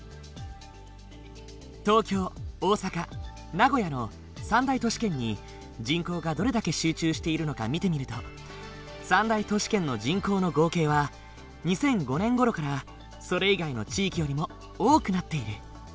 東京大阪名古屋の三大都市圏に人口がどれだけ集中しているのか見てみると三大都市圏の人口の合計は２００５年ごろからそれ以外の地域よりも多くなっている。